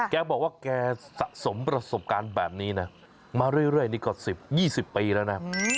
แกบอกว่าแกสะสมประสบการณ์แบบนี้นะมาเรื่อยนี่ก็๑๐๒๐ปีแล้วนะ